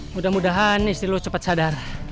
mudah mudahan istri lo cepet sadar